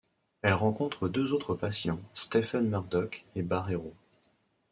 Elle rencontre deux autres patients, Stephen Murdoch et Barreiro.